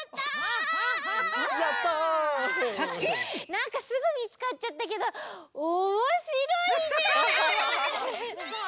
なんかすぐみつかっちゃったけどおもしろいね！